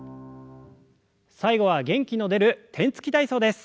最後は元気の出る天つき体操です。